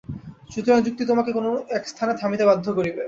সুতরাং যুক্তি তোমাকে কোন একস্থানে থামিতে বাধ্য করিবে।